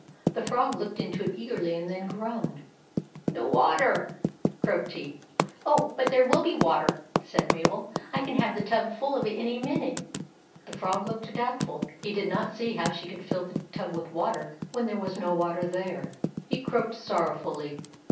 The Frog looked into it eagerly, and then groaned. " No water !" croaked he. " Oh, but there will be water," said Mabel. " I can have the tub full of it in a minute." The Frog looked doubtful. He did not see how she could fill the tub with water when there was no water there. He croaked sorrowfully.